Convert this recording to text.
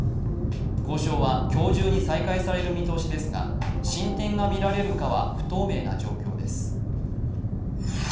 交渉は今日中に再開される見通しですが、進展が見られるかどうかは不透明な状況です。